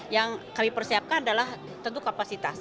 yang kami persiapkan adalah tentu kapasitas